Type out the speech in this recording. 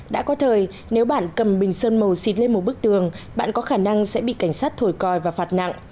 đã có thời nếu bạn cầm bình sơn màu xịt lên một bức tường bạn có khả năng sẽ bị cảnh sát thổi còi và phạt nặng